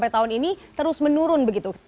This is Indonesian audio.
lima tahun ini terus menurun begitu